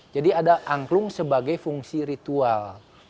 jadi ada angklung sebagai fungsi ritual